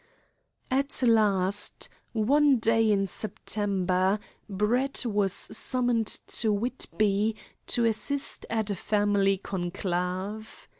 At last, one day in September, Brett was summoned to Whitby to assist at a family conclave.